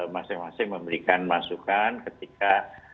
masing masing memberikan masukan ketika